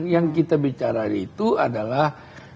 yang kita bicara itu adalah